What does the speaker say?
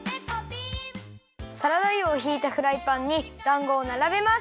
サラダ油をひいたフライパンにだんごをならべます。